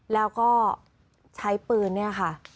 แล้วก็ใช้ปืนเนี่ยค่ะ